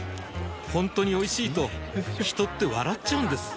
ほんとにおいしいと人って笑っちゃうんです